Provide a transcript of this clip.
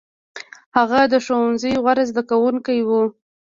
هغه د ښوونځي غوره زده کوونکی و.